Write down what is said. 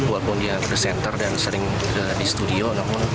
walaupun dia di center dan sering di studio